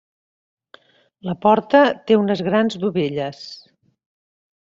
La porta té unes grans dovelles.